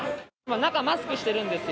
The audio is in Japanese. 中マスクしてるんですよ。